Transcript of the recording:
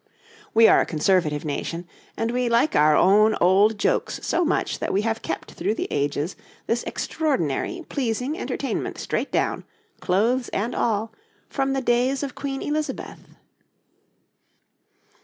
We are a conservative nation, and we like our own old jokes so much that we have kept through the ages this extraordinary pleasing entertainment straight down, clothes and all, from the days of Queen Elizabeth.